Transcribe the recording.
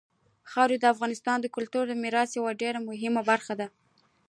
خاوره د افغانستان د کلتوري میراث یوه ډېره مهمه برخه ده.